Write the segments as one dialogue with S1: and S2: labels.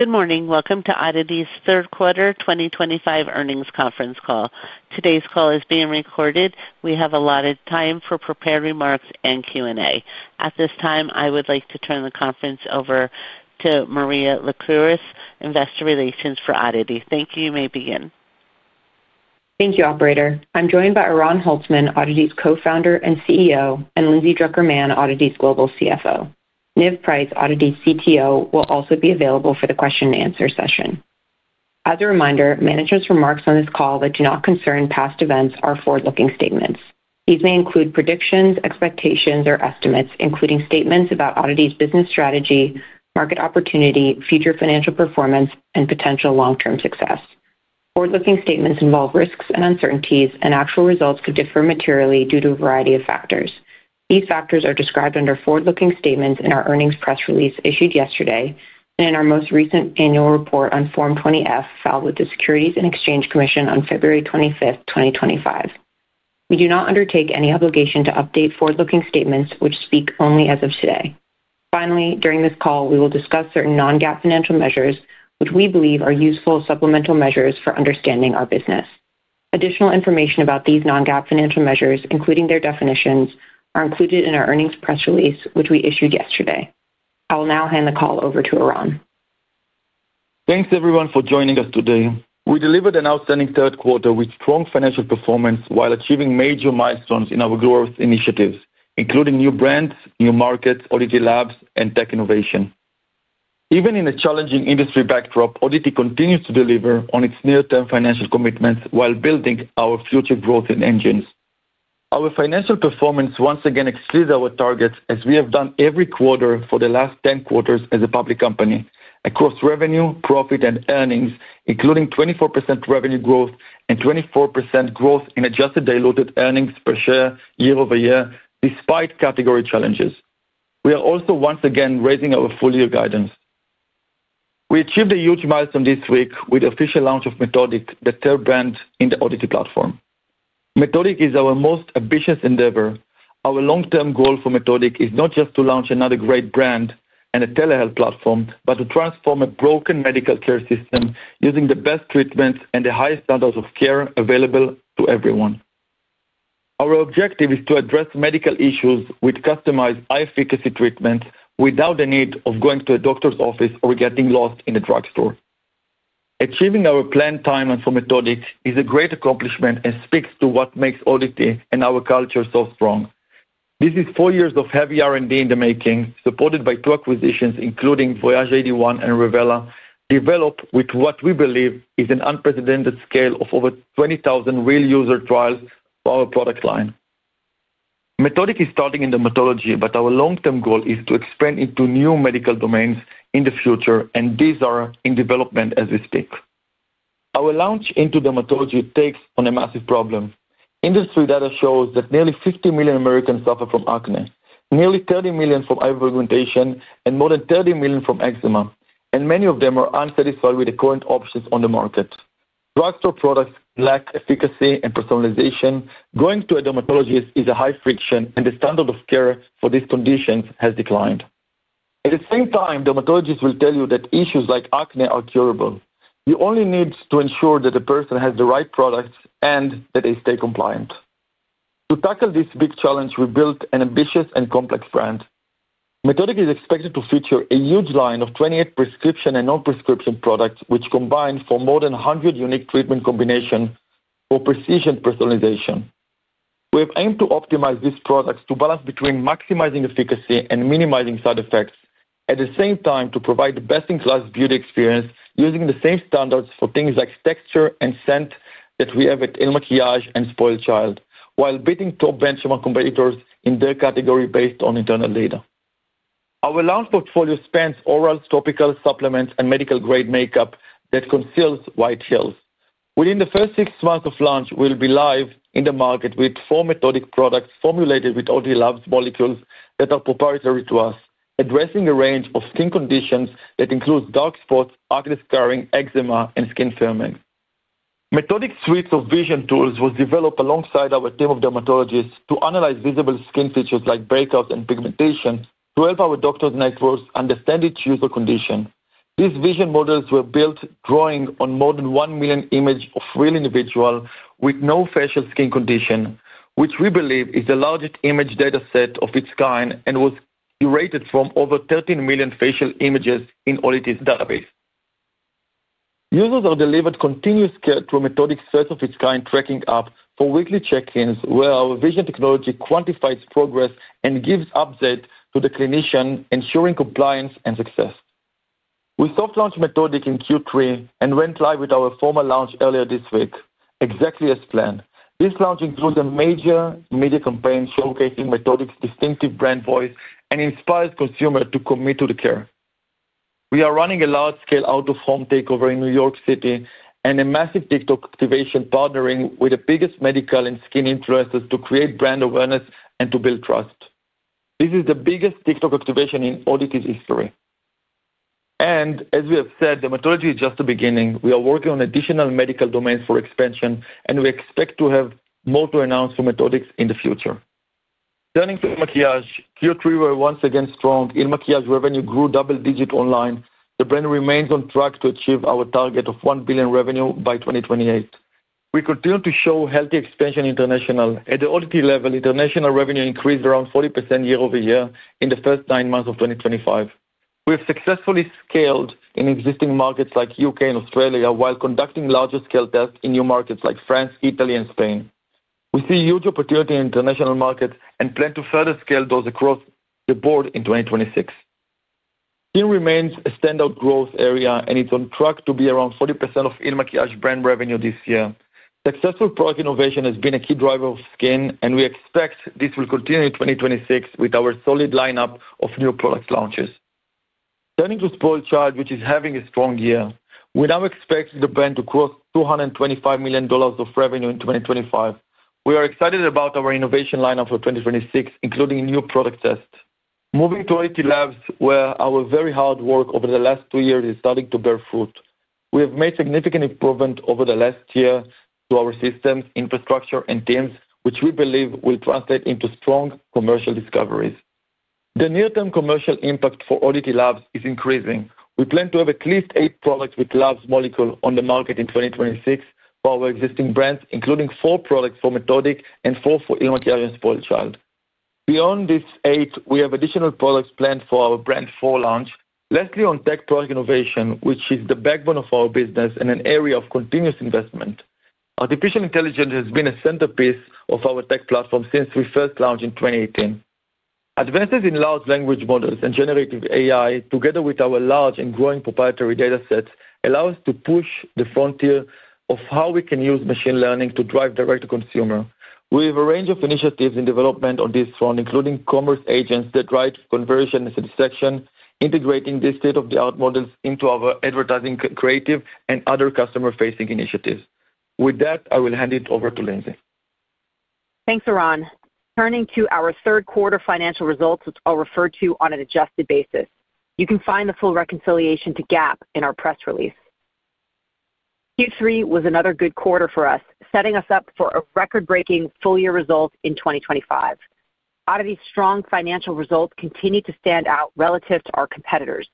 S1: Good morning. Welcome to ODDITY's third quarter 2025 earnings conference call. Today's call is being recorded. We have allotted time for prepared remarks and Q&A. At this time, I would like to turn the conference over to Maria Lycouris, Investor Relations for ODDITY. Thank you. You may begin.
S2: Thank you, Operator. I'm joined by Oran Holtzman, ODDITY's co-founder and CEO, and Lindsay Drucker Mann, ODDITY's global CFO. Niv Price, ODDITY's CTO, will also be available for the question-and-answer session. As a reminder, management's remarks on this call that do not concern past events are forward-looking statements. These may include predictions, expectations, or estimates, including statements about ODDITY's business strategy, market opportunity, future financial performance, and potential long-term success. Forward-looking statements involve risks and uncertainties, and actual results could differ materially due to a variety of factors. These factors are described under forward-looking statements in our earnings press release issued yesterday and in our most recent annual report on Form 20-F, filed with the Securities and Exchange Commission on February 25th, 2025. We do not undertake any obligation to update forward-looking statements, which speak only as of today. Finally, during this call, we will discuss certain non-GAAP financial measures, which we believe are useful supplemental measures for understanding our business. Additional information about these non-GAAP financial measures, including their definitions, are included in our earnings press release, which we issued yesterday. I will now hand the call over to Oran.
S3: Thanks, everyone, for joining us today. We delivered an outstanding third quarter with strong financial performance while achieving major milestones in our growth initiatives, including new brands, new markets, ODDITY Labs, and tech innovation. Even in a challenging industry backdrop, ODDITY continues to deliver on its near-term financial commitments while building our future growth engines. Our financial performance once again exceeds our targets, as we have done every quarter for the last 10 quarters as a public company, across revenue, profit, and earnings, including 24% revenue growth and 24% growth in adjusted diluted earnings per share year-over-year, despite category challenges. We are also once again raising our full-year guidance. We achieved a huge milestone this week with the official launch of METHODIQ, the third brand in the ODDITY platform. METHODIQ is our most ambitious endeavor. Our long-term goal for METHODIQ is not just to launch another great brand and a telehealth platform, but to transform a broken medical care system using the best treatments and the highest standards of care available to everyone. Our objective is to address medical issues with customized high-efficacy treatments without the need of going to a doctor's office or getting lost in a drugstore. Achieving our planned time for METHODIQ is a great accomplishment and speaks to what makes ODDITY and our culture so strong. This is four years of heavy R&D in the making, supported by two acquisitions, including Voyage81 and Revela, developed with what we believe is an unprecedented scale of over 20,000 real user trials for our product line. METHODIQ is starting in dermatology, but our long-term goal is to expand into new medical domains in the future, and these are in development as we speak. Our launch into dermatology takes on a massive problem. Industry data shows that nearly 50 million Americans suffer from acne, nearly 30 million from hyper-pigmentation, and more than 30 million from eczema, and many of them are unsatisfied with the current options on the market. Drugstore products lack efficacy and personalization. Going to a dermatologist is a high friction, and the standard of care for these conditions has declined. At the same time, dermatologists will tell you that issues like acne are curable. You only need to ensure that the person has the right products and that they stay compliant. To tackle this big challenge, we built an ambitious and complex brand. METHODIQ is expected to feature a huge line of 28 prescription and non-prescription products, which combine for more than 100 unique treatment combinations for precision personalization. We have aimed to optimize these products to balance between maximizing efficacy and minimizing side effects, at the same time to provide the best-in-class beauty experience using the same standards for things like texture and scent that we have at Il Makiage and SpoiledChild, while beating top benchmark competitors in their category based on internal data. Our launch portfolio spans orals, topicals, supplements, and medical-grade makeup that conceals white [heads]. Within the first six months of launch, we will be live in the market with four METHODIQ products formulated with ODDITY Labs' molecules that are proprietary to us, addressing a range of skin conditions that includes dark spots, acne scarring, eczema, and skin firming. METHODIQ's suite of vision tools was developed alongside our team of dermatologists to analyze visible skin features like breakouts and pigmentation to help our doctors and experts understand each user condition. These vision models were built, drawing on more than 1 million images of real individuals with no facial skin condition, which we believe is the largest image dataset of its kind and was curated from over 13 million facial images in ODDITY's database. Users are delivered continuous care through METHODIQ's first-of-its-kind tracking app for weekly check-ins where our vision technology quantifies progress and gives updates to the clinician, ensuring compliance and success. We soft-launched METHODIQ in Q3 and went live with our formal launch earlier this week, exactly as planned. This launch includes a major media campaign showcasing METHODIQ's distinctive brand voice and inspires consumers to commit to the care. We are running a large-scale out-of-home takeover in New York City and a massive TikTok activation partnering with the biggest medical and skin influencers to create brand awareness and to build trust. This is the biggest TikTok activation in ODDITY's history. As we have said, dermatology is just the beginning. We are working on additional medical domains for expansion, and we expect to have more to announce for METHODIQ in the future. Turning to Il Makiage, Q3 was once again strong. IlMakiage revenue grew double-digit online. The brand remains on track to achieve our target of $1 billion revenue by 2028. We continue to show healthy expansion internationally. At the ODDITY level, international revenue increased around 40% year-over-year in the first nine months of 2025. We have successfully scaled in existing markets like the U.K. and Australia while conducting larger-scale tests in new markets like France, Italy, and Spain. We see huge opportunity in international markets and plan to further scale those across the board in 2026. It remains a standout growth area, and it is on track to be around 40% of Il Makiage brand revenue this year. Successful product innovation has been a key driver of skin, and we expect this will continue in 2026 with our solid lineup of new product launches. Turning to SpoiledChild, which is having a strong year. We now expect the brand to grow $225 million of revenue in 2025. We are excited about our innovation lineup for 2026, including new product tests. Moving to ODDITY Labs, where our very hard work over the last two years is starting to bear fruit. We have made significant improvements over the last year to our systems, infrastructure, and teams, which we believe will translate into strong commercial discoveries. The near-term commercial impact for ODDITY Labs is increasing. We plan to have at least eight products with Labs' molecule on the market in 2026 for our existing brands, including four products for METHODIQ and four for Il Makiage and SpoiledChild. Beyond these eight, we have additional products planned for our brand for launch. Lastly, on tech product innovation, which is the backbone of our business and an area of continuous investment. Artificial intelligence has been a centerpiece of our tech platform since we first launched in 2018. Advances in large language models and generative AI, together with our large and growing proprietary datasets, allow us to push the frontier of how we can use machine learning to drive direct-to-consumer. We have a range of initiatives in development on this front, including commerce agents that drive conversion and satisfaction, integrating these state-of-the-art models into our advertising, creative, and other customer-facing initiatives. With that, I will hand it over to Lindsay.
S4: Thanks, Oran. Turning to our third quarter financial results, which I'll refer to on an adjusted basis. You can find the full reconciliation to GAAP in our press release. Q3 was another good quarter for us, setting us up for a record-breaking full-year result in 2025. ODDITY's strong financial results continue to stand out relative to our competitors.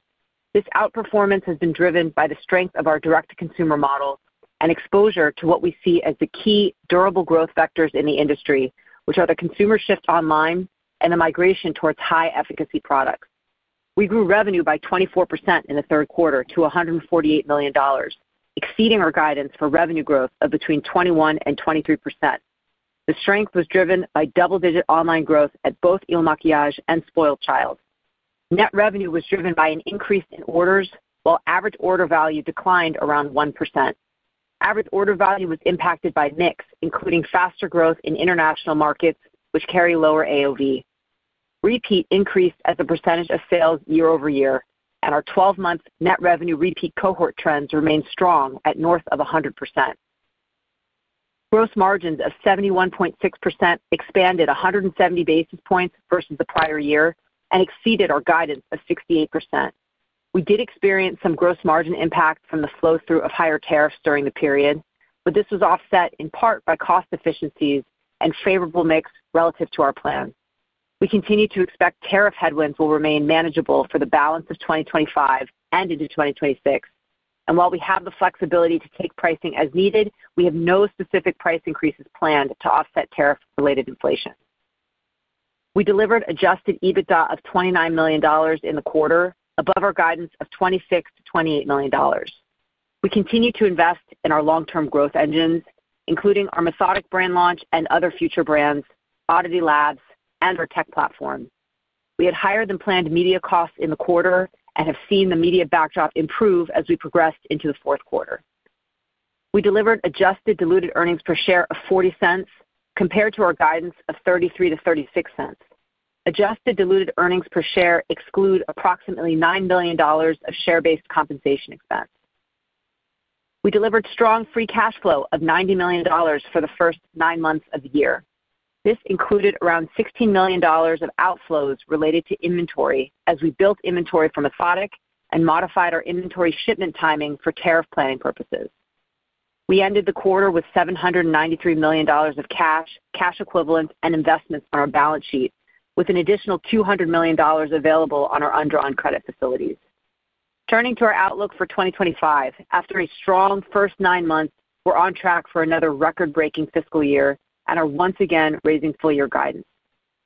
S4: This outperformance has been driven by the strength of our direct-to-consumer model and exposure to what we see as the key durable growth vectors in the industry, which are the consumer shift online and the migration towards high-efficacy products. We grew revenue by 24% in the third quarter to $148 million, exceeding our guidance for revenue growth of between 21% and 23%. The strength was driven by double-digit online growth at both Il Makiage and SpoiledChild. Net revenue was driven by an increase in orders, while average order value declined around 1%. Average order value was impacted by NICs, including faster growth in international markets, which carry lower AOV. Repeat increased as the percentage of sales year-over-year, and our 12-month net revenue repeat cohort trends remained strong at north of 100%. Gross margins of 71.6% expanded 170 basis points versus the prior year and exceeded our guidance of 68%. We did experience some gross margin impact from the flow-through of higher tariffs during the period, but this was offset in part by cost efficiencies and favorable mix relative to our plan. We continue to expect tariff headwinds will remain manageable for the balance of 2025 and into 2026. While we have the flexibility to take pricing as needed, we have no specific price increases planned to offset tariff-related inflation. We delivered adjusted EBITDA of $29 million in the quarter, above our guidance of $26 million-$28 million. We continue to invest in our long-term growth engines, including our METHODIQ brand launch and other future brands, ODDITY Labs, and our tech platform. We had higher-than-planned media costs in the quarter and have seen the media backdrop improve as we progressed into the fourth quarter. We delivered adjusted diluted earnings per share of $0.40 compared to our guidance of $0.33-$0.36. Adjusted diluted earnings per share exclude approximately $9 million of share-based compensation expense. We delivered strong free cash flow of $90 million for the first nine months of the year. This included around $16 million of outflows related to inventory as we built inventory for METHODIQ and modified our inventory shipment timing for tariff planning purposes. We ended the quarter with $793 million of cash, cash equivalents, and investments on our balance sheet, with an additional $200 million available on our undrawn credit facilities. Turning to our outlook for 2025, after a strong first nine months, we're on track for another record-breaking fiscal year and are once again raising full-year guidance.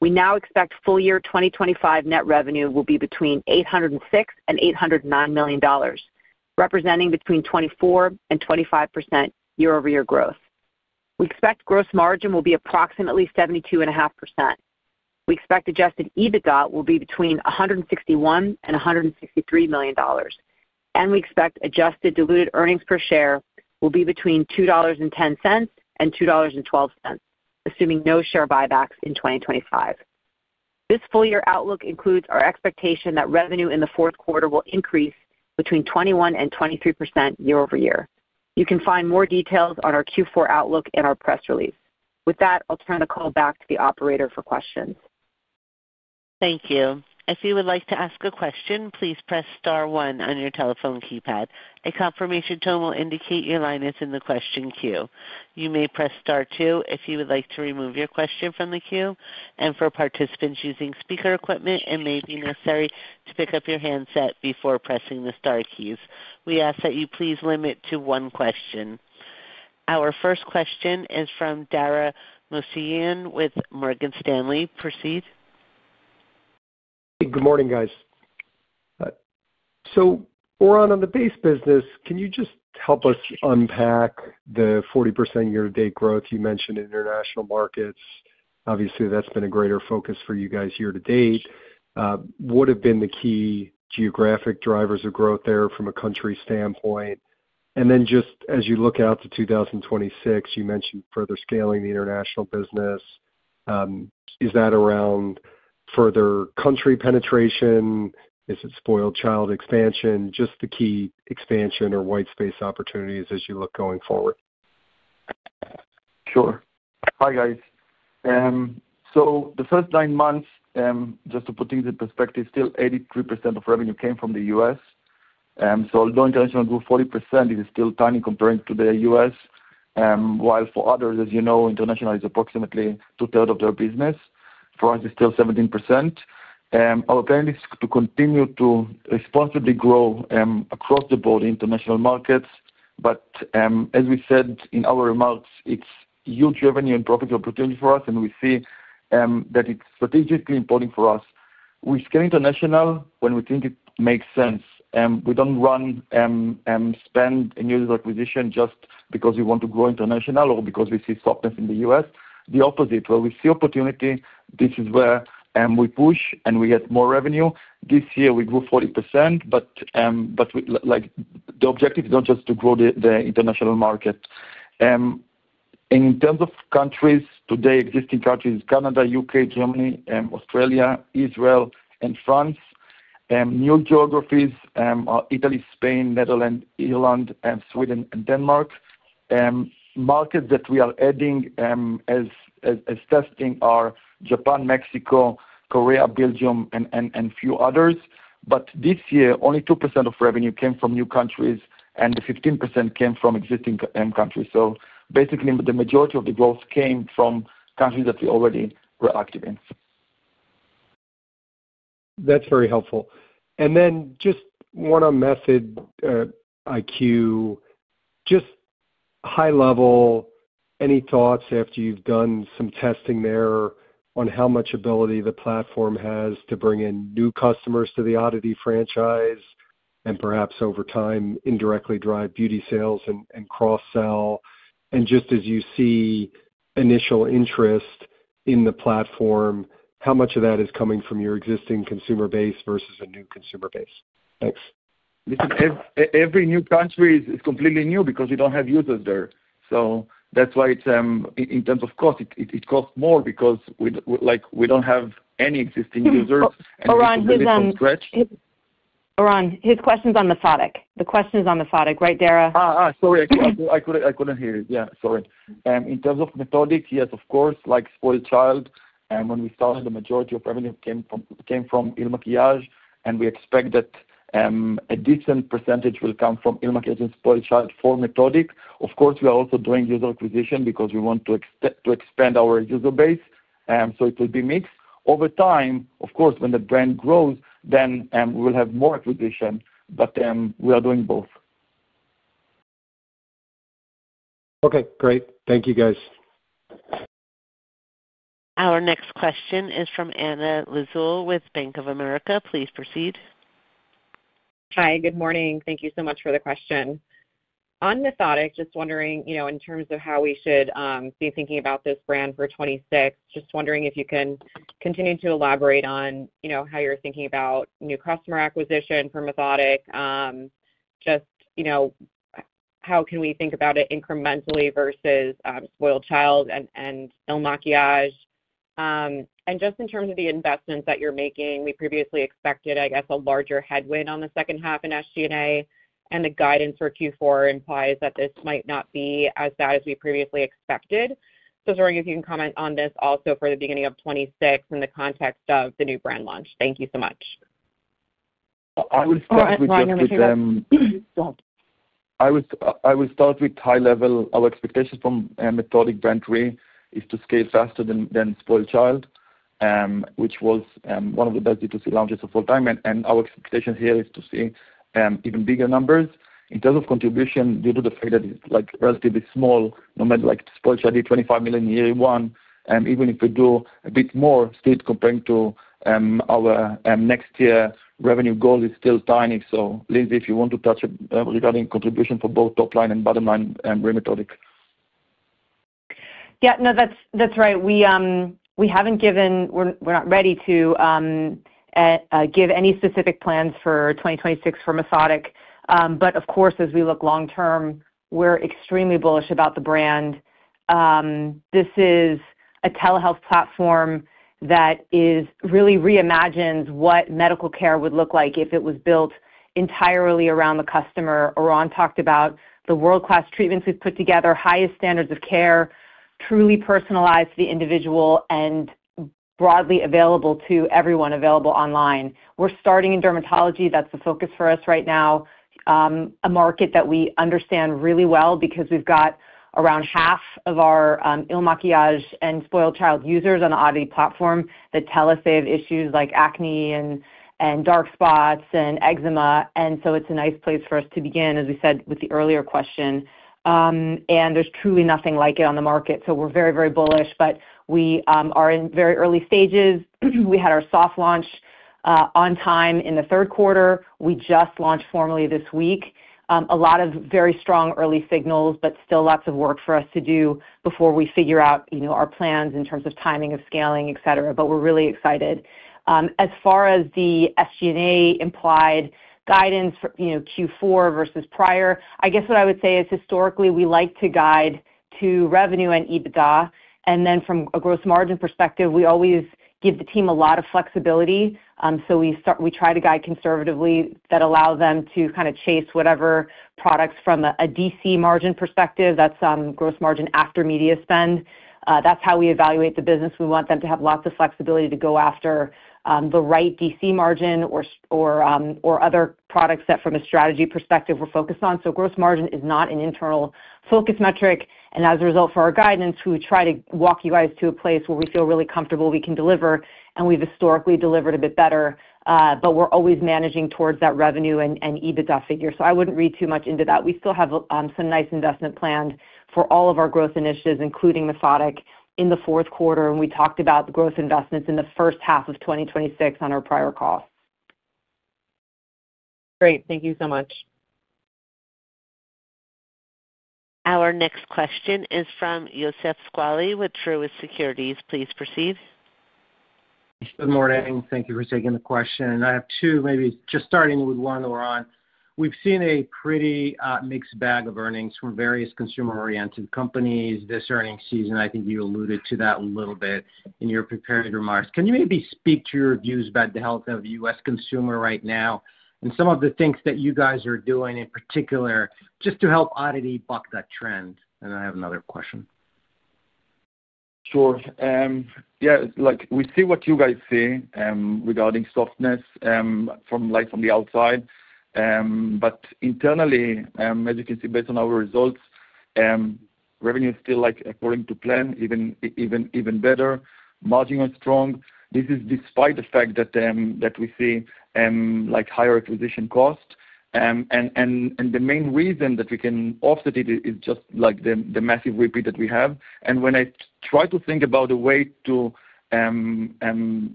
S4: We now expect full-year 2025 net revenue will be between $806 million and $809 million, representing between 24% and 25% year-over-year growth. We expect gross margin will be approximately 72.5%. We expect adjusted EBITDA will be between $161 million and $163 million, and we expect adjusted diluted earnings per share will be between $2.10 and $2.12, assuming no share buybacks in 2025. This full-year outlook includes our expectation that revenue in the fourth quarter will increase between 21% and 23% year-over-year. You can find more details on our Q4 outlook in our press release. With that, I'll turn the call back to the operator for questions.
S1: Thank you. If you would like to ask a question, please press star one on your telephone keypad. A confirmation tone will indicate your line is in the question queue. You may press start two if you would like to remove your question from the queue. For participants using speaker equipment, it may be necessary to pick up your handset before pressing the star keys. We ask that you please limit to one question. Our first question is from Dara Mohsenian with Morgan Stanley. Proceed.
S5: Good morning, guys. Oran, on the base business, can you just help us unpack the 40% year-to-date growth you mentioned in international markets? Obviously, that's been a greater focus for you guys year-to-date. What have been the key geographic drivers of growth there from a country standpoint? Just as you look out to 2026, you mentioned further scaling the international business. Is that around further country penetration? Is it SpoiledChild expansion? Just the key expansion or white space opportunities as you look going forward?
S3: Sure. Hi, guys. The first nine months, just to put things in perspective, still 83% of revenue came from the U.S. Although international grew 40%, it is still tiny comparing to the U.S. While for others, as you know, international is approximately two-thirds of their business. For us, it's still 17%. Our plan is to continue to responsibly grow across the board in international markets. As we said in our remarks, it's a huge revenue and profit opportunity for us, and we see that it's strategically important for us. We scale international when we think it makes sense. We do not run and spend in unit acquisition just because we want to grow international or because we see softness in the U.S. The opposite, where we see opportunity, this is where we push and we get more revenue. This year, we grew 40%, but the objective is not just to grow the international market. In terms of countries today, existing countries, Canada, U.K., Germany, Australia, Israel, and France; new geographies are Italy, Spain, Netherlands, Ireland, Sweden, and Denmark. Markets that we are adding as testing are Japan, Mexico, Korea, Belgium, and a few others. This year, only 2% of revenue came from new countries, and 15% came from existing countries. Basically, the majority of the growth came from countries that we already were active in.
S5: That's very helpful. Just one on METHODIQ, just high-level, any thoughts after you've done some testing there on how much ability the platform has to bring in new customers to the ODDITY franchise and perhaps over time indirectly drive beauty sales and cross-sell? Just as you see initial interest in the platform, how much of that is coming from your existing consumer base versus a new consumer base? Thanks.
S3: Every new country is completely new because we don't have users there. That's why in terms of cost, it costs more because we don't have any existing users.
S4: Oran, his question's on METHODIQ. The question's on METHODIQ, right, Dara?
S3: Sorry. I could not hear you. Yeah, sorry. In terms of METHODIQ, yes, of course. Like SpoiledChild, when we started, the majority of revenue came from Il Makiage, and we expect that a decent percentage will come from Il Makiage and SpoiledChild for METHODIQ. Of course, we are also doing user acquisition because we want to expand our user base. It will be mixed. Over time, of course, when the brand grows, then we will have more acquisition, but we are doing both.
S5: Okay, great. Thank you, guys.
S3: Our next question is from Anna Lizzul with Bank of America. Please proceed.
S6: Hi, good morning. Thank you so much for the question. On METHODIQ, just wondering in terms of how we should be thinking about this brand for 2026, just wondering if you can continue to elaborate on how you're thinking about new customer acquisition for METHODIQ, just how can we think about it incrementally versus SpoiledChild and Il Makiage? Just in terms of the investments that you're making, we previously expected, I guess, a larger headwind on the second half in SG&A, and the guidance for Q4 implies that this might not be as bad as we previously expected. I was wondering if you can comment on this also for the beginning of 2026 in the context of the new brand launch. Thank you so much.
S3: I would start with high-level.
S2: Oh, I'm sorry.
S3: I would start with high-level. Our expectation from METHODIQ brand three is to scale faster than SpoiledChild, which was one of the best B2C launches of all time. Our expectation here is to see even bigger numbers. In terms of contribution, due to the fact that it's relatively small, no matter SpoiledChild did $25 million in year one, even if we do a bit more, still comparing to our next year revenue goal is still tiny. Lindsay, if you want to touch regarding contribution for both top-line and bottom-line with METHODIQ.
S4: Yeah, no, that's right. We haven't given—we're not ready to give any specific plans for 2026 for METHODIQ. Of course, as we look long-term, we're extremely bullish about the brand. This is a telehealth platform that really reimagines what medical care would look like if it was built entirely around the customer. Oran talked about the world-class treatments we've put together, highest standards of care, truly personalized to the individual, and broadly available to everyone available online. We're starting in dermatology. That's the focus for us right now, a market that we understand really well because we've got around half of our Il Makiage and SpoiledChild users on the ODDITY platform that tell us they have issues like acne and dark spots and eczema. It is a nice place for us to begin, as we said with the earlier question. There is truly nothing like it on the market. We are very, very bullish, but we are in very early stages. We had our soft launch on time in the third quarter. We just launched formally this week. A lot of very strong early signals, but still lots of work for us to do before we figure out our plans in terms of timing of scaling, etc. We are really excited. As far as the SG&A implied guidance for Q4 versus prior, I guess what I would say is historically we like to guide to revenue and EBITDA. From a gross margin perspective, we always give the team a lot of flexibility. We try to guide conservatively that allows them to kind of chase whatever products from a DC margin perspective. That is gross margin after media spend. That is how we evaluate the business. We want them to have lots of flexibility to go after the right DC margin or other products that from a strategy perspective we're focused on. Gross margin is not an internal focus metric. As a result, for our guidance, we try to walk you guys to a place where we feel really comfortable we can deliver, and we've historically delivered a bit better, but we're always managing towards that revenue and EBITDA figure. I wouldn't read too much into that. We still have some nice investment planned for all of our growth initiatives, including METHODIQ, in the fourth quarter. We talked about growth investments in the first half of 2026 on our prior call.
S6: Great. Thank you so much.
S1: Our next question is from Youssef Squali with Truist Securities. Please proceed.
S7: Good morning. Thank you for taking the question. I have two, maybe just starting with one that were on. We've seen a pretty mixed bag of earnings from various consumer-oriented companies this earnings season. I think you alluded to that a little bit in your prepared remarks. Can you maybe speak to your views about the health of the U.S. consumer right now and some of the things that you guys are doing in particular just to help ODDITY buck that trend? I have another question.
S3: Sure. Yeah. We see what you guys see regarding softness from the outside. Internally, as you can see based on our results, revenue is still according to plan, even better. Margins are strong. This is despite the fact that we see higher acquisition cost. The main reason that we can offset it is just the massive repeat that we have. When I try to think about a way to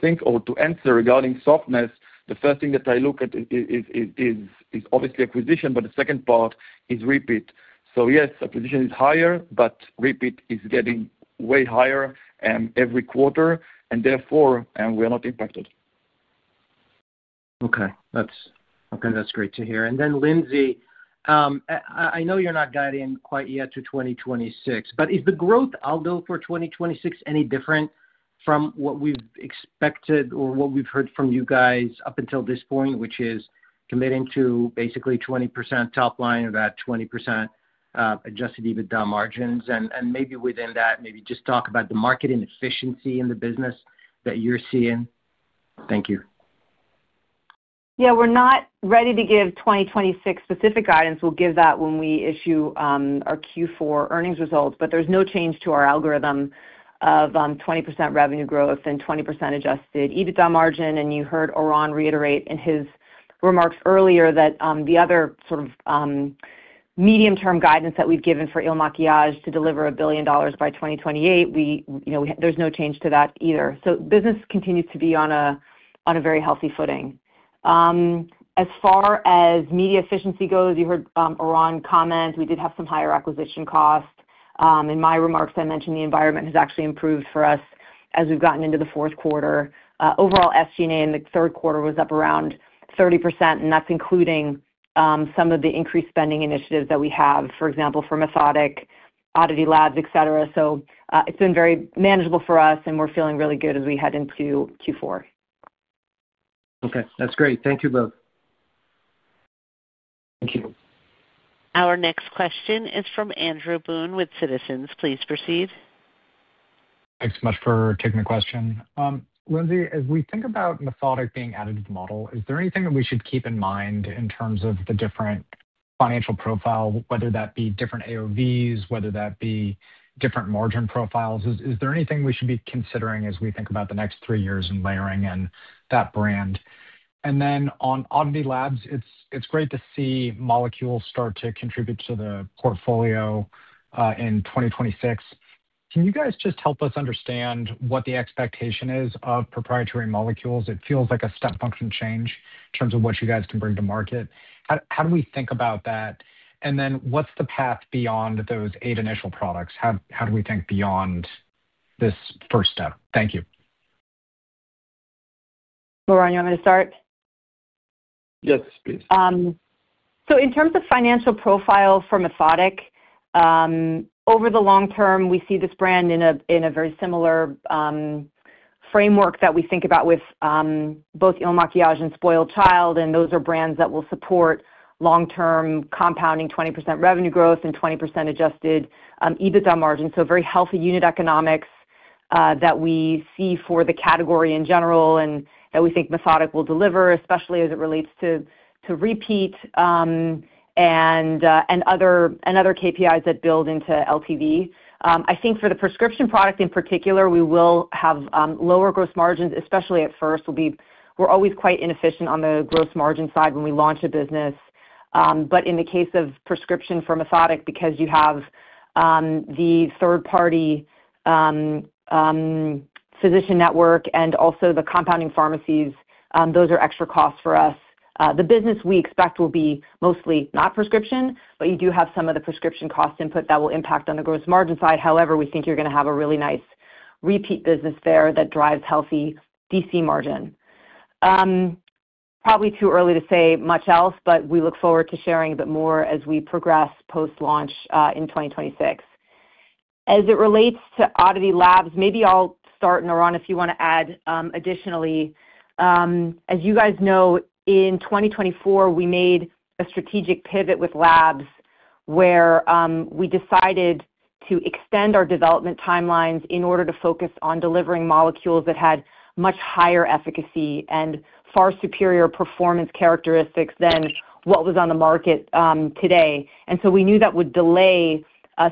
S3: think or to answer regarding softness, the first thing that I look at is obviously acquisition, but the second part is repeat. Yes, acquisition is higher, but repeat is getting way higher every quarter. Therefore, we are not impacted.
S7: Okay. Okay. That's great to hear. Lindsay, I know you're not guiding quite yet to 2026, but is the growth algo for 2026 any different from what we've expected or what we've heard from you guys up until this point, which is committing to basically 20% top line or that 20% adjusted EBITDA margins? Maybe within that, maybe just talk about the marketing efficiency in the business that you're seeing. Thank you.
S4: Yeah. We're not ready to give 2026 specific guidance. We'll give that when we issue our Q4 earnings results. There's no change to our algorithm of 20% revenue growth and 20% adjusted EBITDA margin. You heard Oran reiterate in his remarks earlier that the other sort of medium-term guidance that we've given for Il Makiage to deliver a billion dollars by 2028, there's no change to that either. Business continues to be on a very healthy footing. As far as media efficiency goes, you heard Oran comment. We did have some higher acquisition cost. In my remarks, I mentioned the environment has actually improved for us as we've gotten into the fourth quarter. Overall, SG&A in the third quarter was up around 30%, and that's including some of the increased spending initiatives that we have, for example, for METHODIQ, ODDITY Labs, etc. It has been very manageable for us, and we're feeling really good as we head into Q4.
S7: Okay. That's great. Thank you both.
S3: Thank you.
S1: Our next question is from Andrew Boone with Citizens. Please proceed.
S8: Thanks so much for taking the question. Lindsay, as we think about METHODIQ being added to the model, is there anything that we should keep in mind in terms of the different financial profile, whether that be different AOVs, whether that be different margin profiles? Is there anything we should be considering as we think about the next three years and layering in that brand? On ODDITY Labs, it's great to see molecules start to contribute to the portfolio in 2026. Can you guys just help us understand what the expectation is of proprietary molecules? It feels like a step function change in terms of what you guys can bring to market. How do we think about that? What's the path beyond those eight initial products? How do we think beyond this first step? Thank you.
S4: Oran, you want me to start?
S3: Yes, please.
S4: In terms of financial profile for METHODIQ, over the long term, we see this brand in a very similar framework that we think about with both Il Makiage and SpoiledChild. Those are brands that will support long-term compounding 20% revenue growth and 20% adjusted EBITDA margin. Very healthy unit economics that we see for the category in general and that we think METHODIQ will deliver, especially as it relates to repeat and other KPIs that build into LPV. I think for the prescription product in particular, we will have lower gross margins, especially at first. We are always quite inefficient on the gross margin side when we launch a business. In the case of prescription for METHODIQ, because you have the third-party physician network and also the compounding pharmacies, those are extra costs for us. The business we expect will be mostly not prescription, but you do have some of the prescription cost input that will impact on the gross margin side. However, we think you're going to have a really nice repeat business there that drives healthy DTC margin. Probably too early to say much else, but we look forward to sharing a bit more as we progress post-launch in 2026. As it relates to ODDITY Labs, maybe I'll start, and Oran, if you want to add additionally. As you guys know, in 2024, we made a strategic pivot with Labs where we decided to extend our development timelines in order to focus on delivering molecules that had much higher efficacy and far superior performance characteristics than what was on the market today. We knew that would delay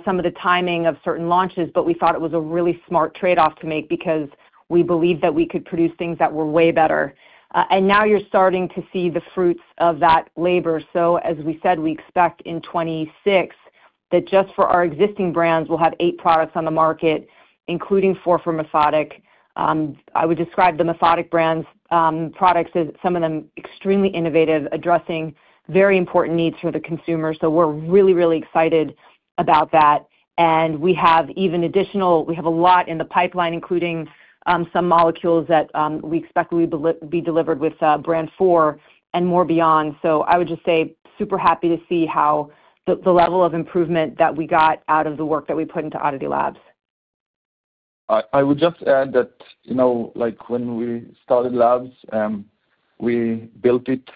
S4: some of the timing of certain launches, but we thought it was a really smart trade-off to make because we believed that we could produce things that were way better. Now you're starting to see the fruits of that labor. As we said, we expect in 2026 that just for our existing brands, we'll have eight products on the market, including four for METHODIQ. I would describe the METHODIQ brand's products, some of them extremely innovative, addressing very important needs for the consumer. We're really, really excited about that. We have even additional—we have a lot in the pipeline, including some molecules that we expect will be delivered with Brand 4 and more beyond. I would just say super happy to see the level of improvement that we got out of the work that we put into ODDITY Labs.
S3: I would just add that when we started Labs, we built it.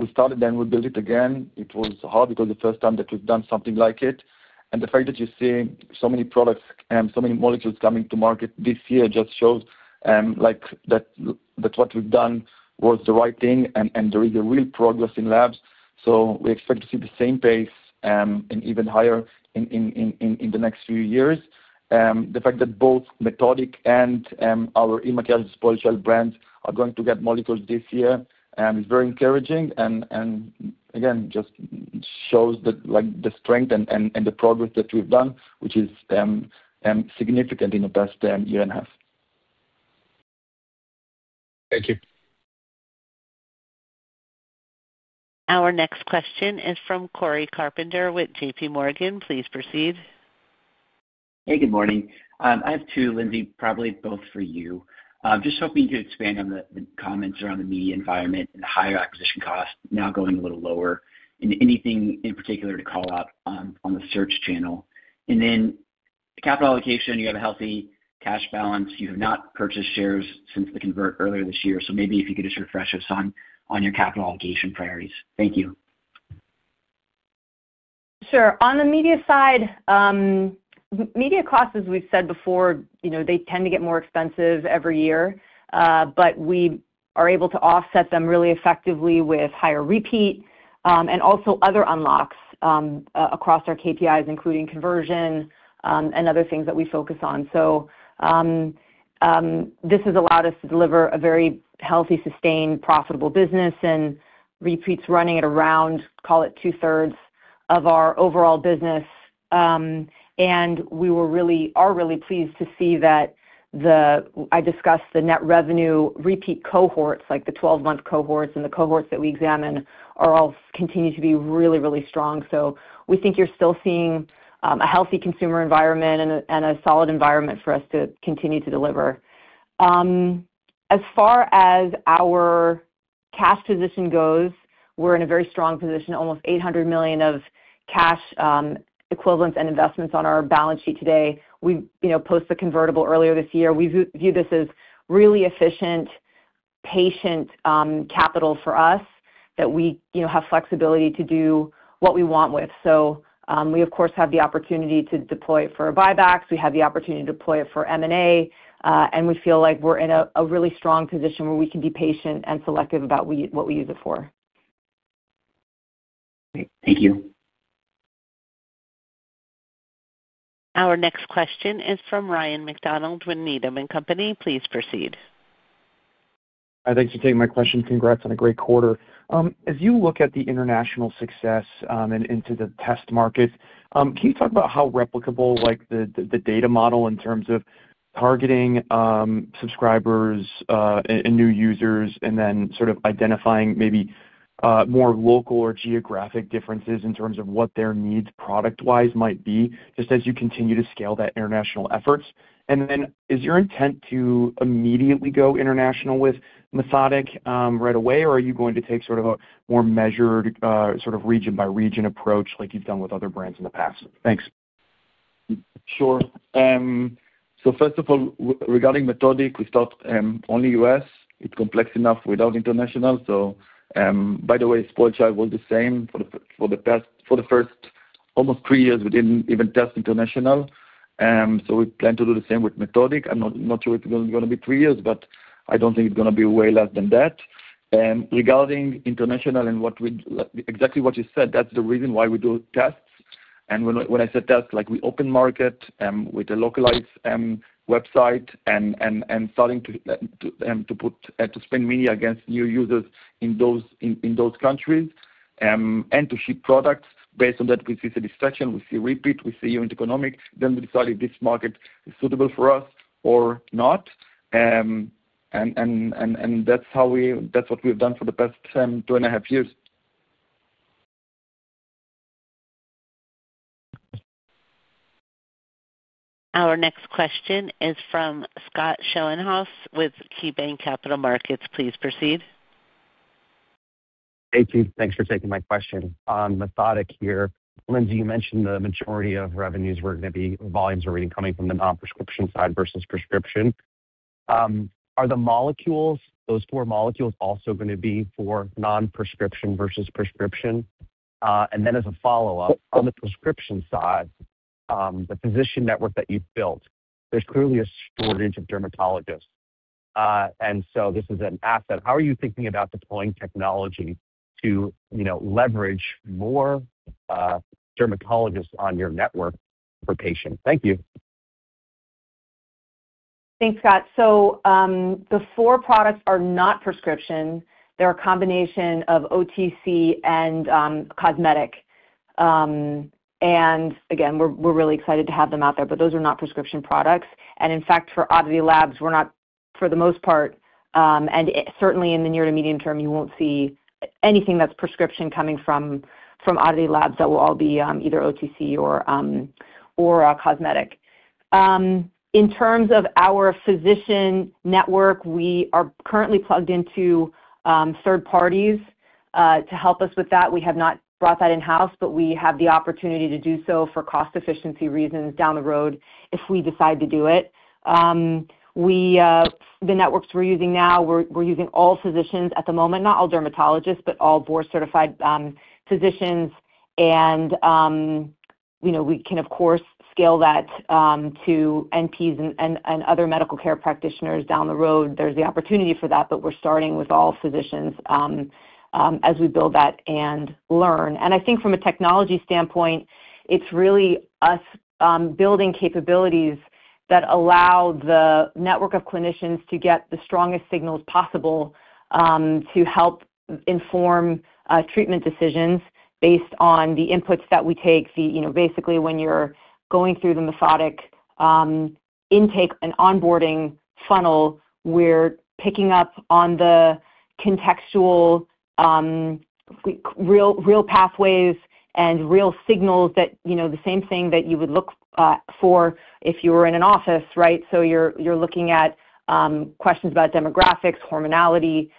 S3: We started then, we built it again. It was hard because the first time that we've done something like it. The fact that you see so many products and so many molecules coming to market this year just shows that what we've done was the right thing, and there is real progress in Labs. We expect to see the same pace and even higher in the next few years. The fact that both METHODIQ and our Il Makiage and SpoiledChild brands are going to get molecules this year is very encouraging. Again, just shows the strength and the progress that we've done, which is significant in the past year-and-a-half.
S8: Thank you.
S1: Our next question is from Corey Carpenter with JPMorgan. Please proceed.
S9: Hey, good morning. I have two, Lindsay, probably both for you. Just hoping to expand on the comments around the media environment and the higher acquisition cost now going a little lower. Anything in particular to call out on the search channel? Capital allocation, you have a healthy cash balance. You have not purchased shares since the convert earlier this year. Maybe if you could just refresh us on your capital allocation priorities. Thank you.
S4: Sure. On the media side, media costs, as we've said before, they tend to get more expensive every year, but we are able to offset them really effectively with higher repeat and also other unlocks across our KPIs, including conversion and other things that we focus on. This has allowed us to deliver a very healthy, sustained, profitable business, and repeat's running at around, call it two-thirds of our overall business. We are really pleased to see that I discussed the net revenue repeat cohorts, like the 12-month cohorts and the cohorts that we examine continue to be really, really strong. We think you're still seeing a healthy consumer environment and a solid environment for us to continue to deliver. As far as our cash position goes, we're in a very strong position, almost $800 million of cash equivalents and investments on our balance sheet today. We posted the convertible earlier this year. We view this as really efficient, patient capital for us that we have flexibility to do what we want with. We, of course, have the opportunity to deploy it for buybacks. We have the opportunity to deploy it for M&A, and we feel like we're in a really strong position where we can be patient and selective about what we use it for.
S9: Great. Thank you.
S1: Our next question is from Ryan McDonald with Needham & Company. Please proceed.
S10: Hi. Thanks for taking my question. Congrats on a great quarter. As you look at the international success and into the test market, can you talk about how replicable the data model in terms of targeting subscribers and new users and then sort of identifying maybe more local or geographic differences in terms of what their needs product-wise might be just as you continue to scale that international efforts? Is your intent to immediately go international with METHODIQ right away, or are you going to take sort of a more measured sort of region-by-region approach like you've done with other brands in the past? Thanks.
S3: Sure. First of all, regarding METHODIQ, we start only U.S. It's complex enough without international. By the way, SpoiledChild was the same for the first almost three years. We did not even test international. We plan to do the same with METHODIQ. I'm not sure it's going to be three years, but I do not think it's going to be way less than that. Regarding international and exactly what you said, that's the reason why we do tests. When I said tests, we open market with a localized website and start to spend media against new users in those countries and to ship products. Based on that, we see satisfaction. We see repeat. We see unit economic. Then we decide if this market is suitable for us or not. That's what we've done for the past two-and-a-half years.
S1: Our next question is from Scott Schoenhaus with KeyBanc Capital Markets. Please proceed.
S11: Hey, team. Thanks for taking my question. On METHODIQ here, Lindsay, you mentioned the majority of revenues were going to be volumes were coming from the non-prescription side versus prescription. Are the molecules, those four molecules, also going to be for non-prescription versus prescription? As a follow-up, on the prescription side, the physician network that you've built, there's clearly a shortage of dermatologists. This is an asset. How are you thinking about deploying technology to leverage more dermatologists on your network for patients? Thank you.
S4: Thanks, Scott. The four products are not prescription. They're a combination of OTC and cosmetic. Again, we're really excited to have them out there, but those are not prescription products. In fact, for ODDITY Labs, we're not for the most part. Certainly in the near to medium term, you won't see anything that's prescription coming from ODDITY Labs. That will all be either OTC or cosmetic. In terms of our physician network, we are currently plugged into third parties to help us with that. We have not brought that in-house, but we have the opportunity to do so for cost efficiency reasons down the road if we decide to do it. The networks we're using now, we're using all physicians at the moment, not all dermatologists, but all board-certified physicians. We can, of course, scale that to NPs and other medical care practitioners down the road. There is the opportunity for that, but we are starting with all physicians as we build that and learn. I think from a technology standpoint, it is really us building capabilities that allow the network of clinicians to get the strongest signals possible to help inform treatment decisions based on the inputs that we take. Basically, when you are going through the METHODIQ intake and onboarding funnel, we are picking up on the contextual real pathways and real signals, the same thing that you would look for if you were in an office, right? You are looking at questions about demographics, hormonality,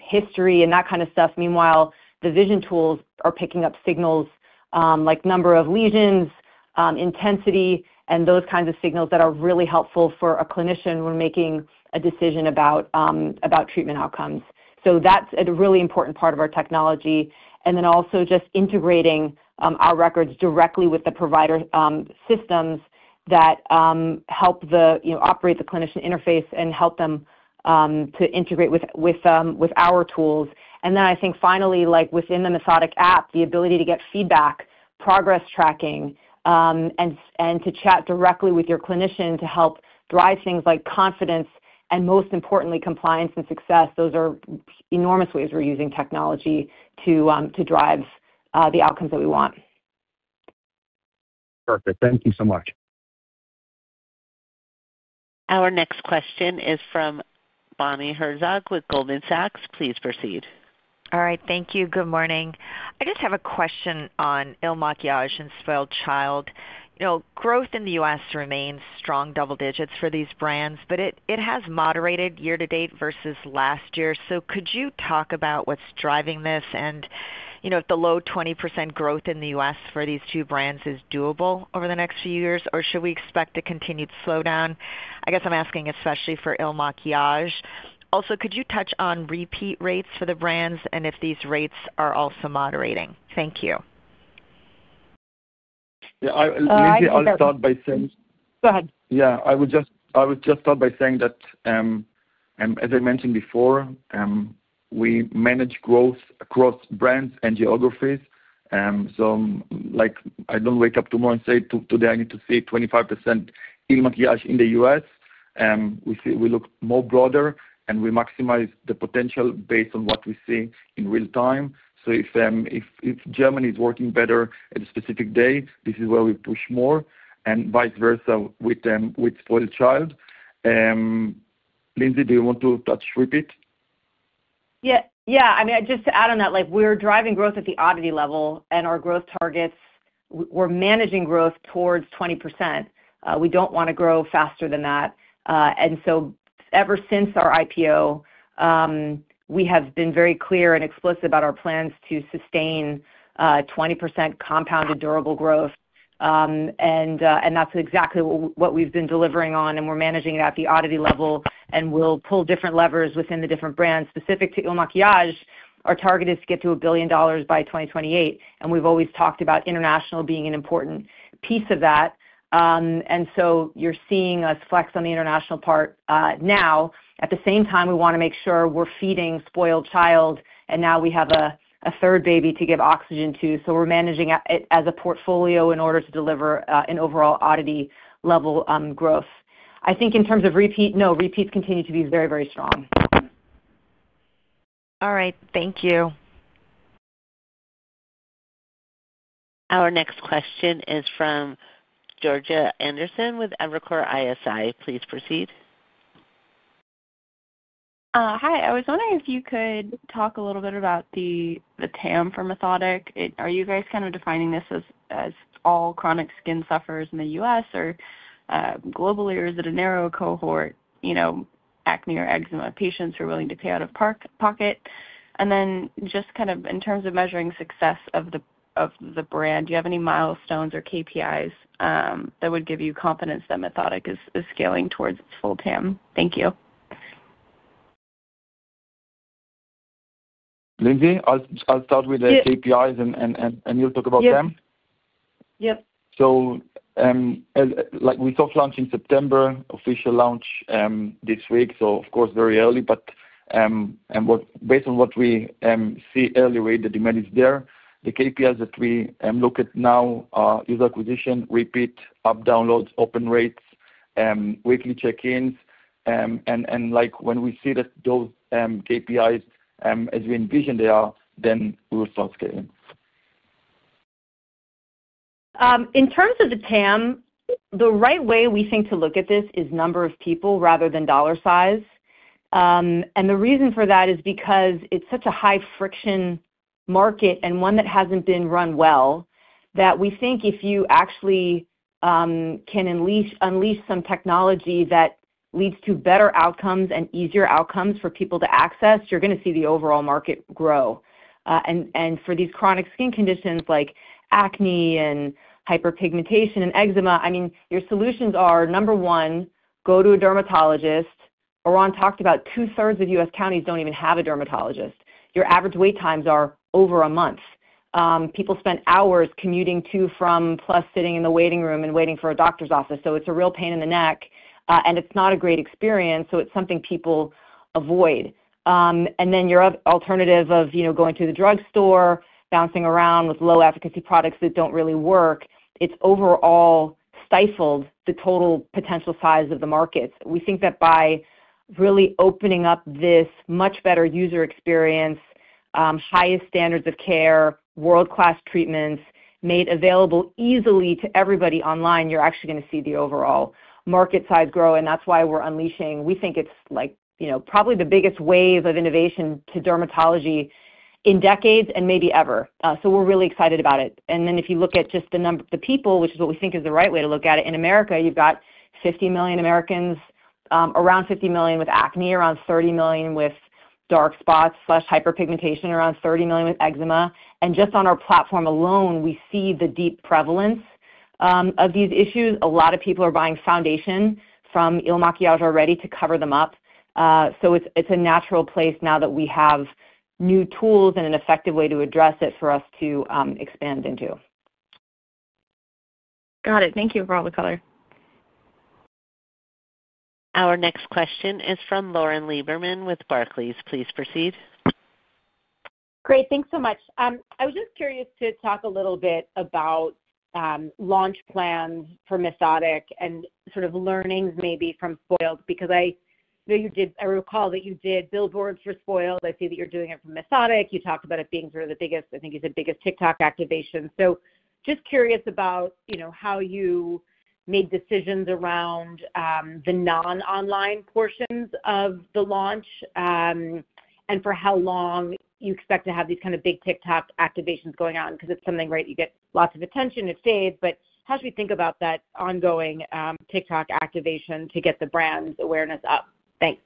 S4: history, and that kind of stuff. Meanwhile, the vision tools are picking up signals like number of lesions, intensity, and those kinds of signals that are really helpful for a clinician when making a decision about treatment outcomes. That is a really important part of our technology. Also, just integrating our records directly with the provider systems that help operate the clinician interface and help them to integrate with our tools. I think finally, within the METHODIQ app, the ability to get feedback, progress tracking, and to chat directly with your clinician to help drive things like confidence and, most importantly, compliance and success. Those are enormous ways we're using technology to drive the outcomes that we want.
S11: Perfect. Thank you so much.
S1: Our next question is from Bonnie Herzog with Goldman Sachs. Please proceed.
S12: All right. Thank you. Good morning. I just have a question on Il Makiage and SpoiledChild. Growth in the U.S. remains strong double digits for these brands, but it has moderated year to date versus last year. Could you talk about what's driving this and if the low 20% growth in the U.S. for these two brands is doable over the next few years, or should we expect a continued slowdown? I guess I'm asking especially for Il Makiage. Also, could you touch on repeat rates for the brands and if these rates are also moderating? Thank you.
S3: Yeah. Lindsay, I'll start by saying.
S4: Go ahead.
S3: Yeah. I would just start by saying that, as I mentioned before, we manage growth across brands and geographies. I do not wake up tomorrow and say, "Today, I need to see 25% Il Makiage in the US." We look more broader, and we maximize the potential based on what we see in real time. If Germany is working better at a specific day, this is where we push more, and vice versa with SpoiledChild. Lindsay, do you want to touch repeat?
S4: Yeah. I mean, just to add on that, we're driving growth at the ODDITY level, and our growth targets, we're managing growth towards 20%. We don't want to grow faster than that. Ever since our IPO, we have been very clear and explicit about our plans to sustain 20% compounded durable growth. That's exactly what we've been delivering on, and we're managing it at the ODDITY level, and we'll pull different levers within the different brands. Specific to Il Makiage, our target is to get to $1 billion by 2028. We've always talked about international being an important piece of that. You're seeing us flex on the international part now. At the same time, we want to make sure we're feeding SpoiledChild, and now we have a third baby to give oxygen to. We're managing it as a portfolio in order to deliver an overall ODDITY level growth. I think in terms of repeat, no, repeats continue to be very, very strong.
S12: All right. Thank you.
S1: Our next question is from Georgia Anderson with Evercore ISI. Please proceed.
S13: Hi. I was wondering if you could talk a little bit about the TAM for METHODIQ. Are you guys kind of defining this as all chronic skin sufferers in the U.S. or globally, or is it a narrow cohort, acne or eczema patients who are willing to pay out of pocket? In terms of measuring success of the brand, do you have any milestones or KPIs that would give you confidence that METHODIQ is scaling towards its full TAM? Thank you.
S3: Lindsay, I'll start with the KPIs, and you'll talk about them.
S4: Yep.
S3: We saw floods in September, official launch this week. Of course, very early. Based on what we see earlier, the demand is there. The KPIs that we look at now are user acquisition, repeat, app downloads, open rates, weekly check-ins. When we see that those KPIs as we envision they are, then we will start scaling.
S4: In terms of the TAM, the right way we think to look at this is number of people rather than dollar size. The reason for that is because it's such a high-friction market and one that hasn't been run well that we think if you actually can unleash some technology that leads to better outcomes and easier outcomes for people to access, you're going to see the overall market grow. For these chronic skin conditions like acne and hyperpigmentation and eczema, I mean, your solutions are, number one, go to a dermatologist. Aaron talked about two-thirds of U.S. counties don't even have a dermatologist. Your average wait times are over a month. People spend hours commuting to, from, plus sitting in the waiting room and waiting for a doctor's office. It's a real pain in the neck, and it's not a great experience. It is something people avoid. Your alternative of going to the drugstore, bouncing around with low-efficacy products that do not really work, has overall stifled the total potential size of the markets. We think that by really opening up this much better user experience, highest standards of care, world-class treatments made available easily to everybody online, you are actually going to see the overall market size grow. That is why we are unleashing. We think it is probably the biggest wave of innovation to dermatology in decades and maybe ever. We are really excited about it. If you look at just the number of the people, which is what we think is the right way to look at it, in America, you have got 50 million Americans, around 50 million with acne, around 30 million with dark spots/hyperpigmentation, around 30 million with eczema. On our platform alone, we see the deep prevalence of these issues. A lot of people are buying foundation from Il Makiage already to cover them up. It is a natural place now that we have new tools and an effective way to address it for us to expand into.
S13: Got it. Thank you for all the color.
S1: Our next question is from Lauren Lieberman with Barclays. Please proceed.
S14: Great. Thanks so much. I was just curious to talk a little bit about launch plans for METHODIQ and sort of learnings maybe from Spoiled because I recall that you did billboards for Spoiled. I see that you're doing it for METHODIQ. You talked about it being sort of the biggest—I think you said biggest—TikTok activation. Just curious about how you made decisions around the non-online portions of the launch and for how long you expect to have these kind of big TikTok activations going on because it's something, right? You get lots of attention. It fades. How should we think about that ongoing TikTok activation to get the brand awareness up? Thanks.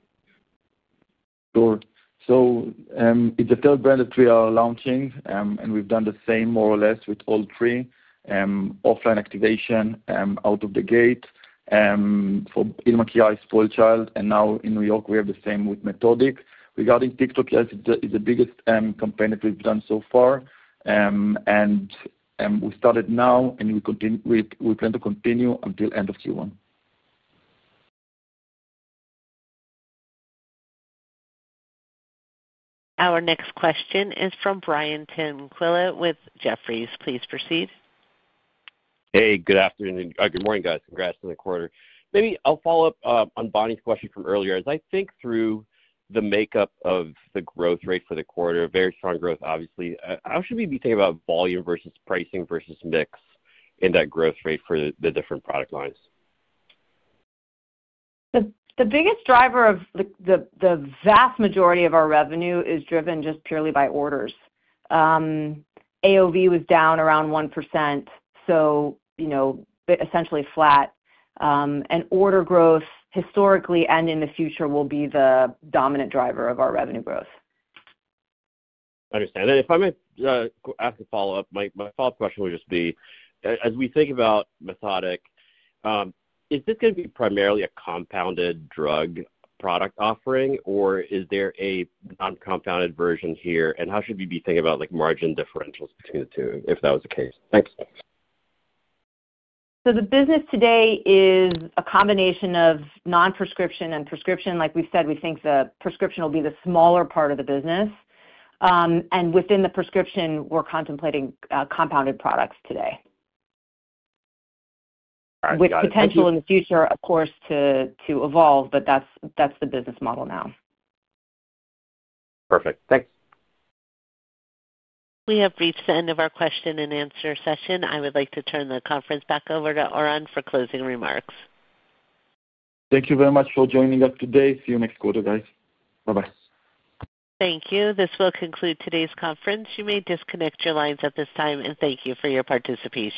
S3: Sure. It is the third brand that we are launching, and we have done the same more or less with all three: offline activation, out of the gate for Il Makiage, SpoiledChild. Now in New York City, we have the same with METHODIQ. Regarding TikTok, yes, it is the biggest campaign that we have done so far. We started now, and we plan to continue until end of Q1.
S1: Our next question is from Brian Tim Quilla with Jefferies. Please proceed.
S15: Hey, good afternoon. Good morning, guys. Congrats on the quarter. Maybe I'll follow up on Bonnie's question from earlier. As I think through the makeup of the growth rate for the quarter, very strong growth, obviously. How should we be thinking about volume versus pricing versus mix in that growth rate for the different product lines?
S4: The biggest driver of the vast majority of our revenue is driven just purely by orders. AOV was down around 1%, so essentially flat. Order growth historically and in the future will be the dominant driver of our revenue growth.
S15: Understand. If I may ask a follow-up, my follow-up question would just be, as we think about METHODIQ, is this going to be primarily a compounded drug product offering, or is there a non-compounded version here? How should we be thinking about margin differentials between the two if that was the case? Thanks.
S4: The business today is a combination of non-prescription and prescription. Like we've said, we think the prescription will be the smaller part of the business. Within the prescription, we're contemplating compounded products today, with potential in the future, of course, to evolve, but that's the business model now.
S15: Perfect. Thanks.
S1: We have reached the end of our question and answer session. I would like to turn the conference back over to Oran for closing remarks.
S3: Thank you very much for joining us today. See you next quarter, guys. Bye-bye.
S1: Thank you. This will conclude today's conference. You may disconnect your lines at this time, and thank you for your participation.